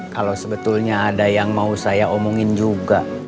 kalau sebetulnya ada yang mau saya omongin juga